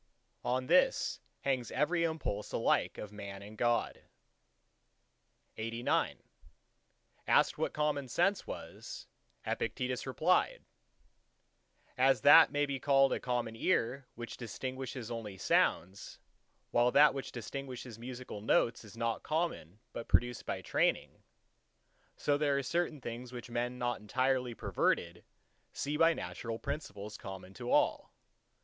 On this hangs every impulse alike of Man and God. XC Asked what Common Sense was, Epictetus replied:— As that may be called a Common Ear which distinguishes only sounds, while that which distinguishes musical notes is not common but produced by training; so there are certain things which men not entirely perverted see by the natural principles common to all.